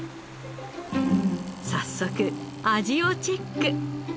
早速味をチェック。